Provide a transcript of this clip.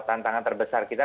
tantangan terbesar kita